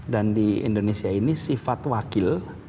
dan di indonesia ini sifat wakil